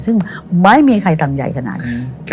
ซึ่งไม่มีใครทำใหญ่ขนาดนี้